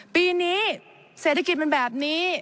ปีนี้เศรษฐกิจมันแบบนี้